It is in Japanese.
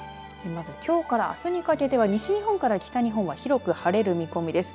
まず、きょうからあすにかけては西日本から北日本は広く晴れる見込みです。